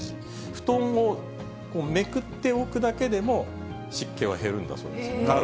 布団をめくっておくだけでも、湿気は減るんだそうです。